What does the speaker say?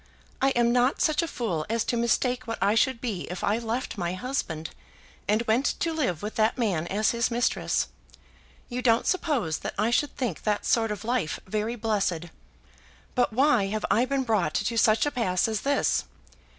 "I am not such a fool as to mistake what I should be if I left my husband, and went to live with that man as his mistress. You don't suppose that I should think that sort of life very blessed. But why have I been brought to such a pass as this?